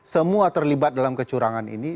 semua terlibat dalam kecurangan ini